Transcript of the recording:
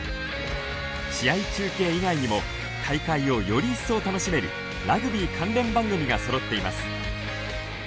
試合中継以外にも大会をより一層楽しめるラグビー関連番組がそろっています。